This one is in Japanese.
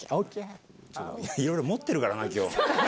いろいろ持ってるからな今日。